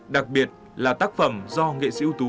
đặc biệt là tác phẩm do nghệ sĩ ưu tú